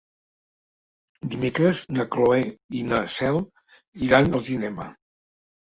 Dimecres na Cloè i na Cel iran al cinema.